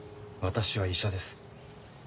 私は医者です。